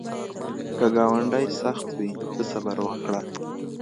که ګاونډی سخت وي، ته صبر وکړه